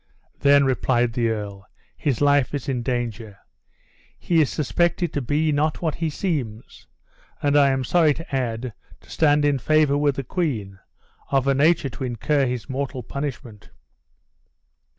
"Then," replied the earl, "his life is in danger. He is suspected to be not what he seems; and I am sorry to add, to stand in favor with the queen, of a nature to incur his mortal punishment."